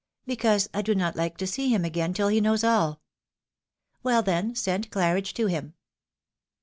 " Because I do not like to see him again till he knows aU." " Well, then, send Claridge to him."